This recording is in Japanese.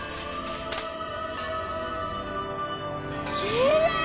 きれい！